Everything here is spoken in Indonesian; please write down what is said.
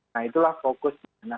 nah itulah fokus